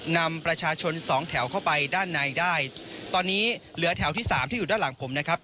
นำประชาชนสองแถวเข้าไปด้านในได้ตอนนี้เหลือแถวที่สามที่อยู่ด้านหลังผมนะครับ